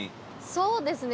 そうですね。